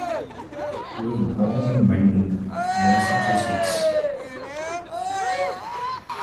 He was born in Mendon, Massachusetts.